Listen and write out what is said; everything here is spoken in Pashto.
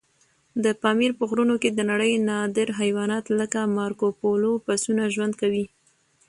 د پامیر په غرونو کې د نړۍ نادر حیوانات لکه مارکوپولو پسونه ژوند کوي.